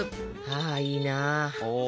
ああいいなあ。